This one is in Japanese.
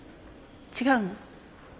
違うの？